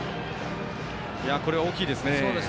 これは大きいですね。